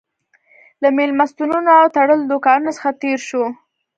له مېلمستونونو او تړلو دوکانونو څخه تېر شوو.